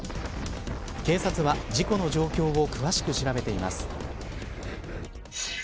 警察は事故の状況を詳しく調べています。